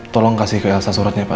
tolong kasih ke elsa suratnya pak